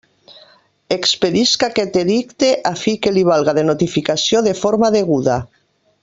Expedisc aquest edicte a fi que li valga de notificació de forma deguda.